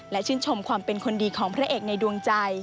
และชื่นชมความเป็นคนดีของพระเอกในดวงใจ